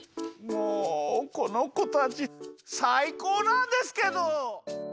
もうこのこたちさいこうなんですけど！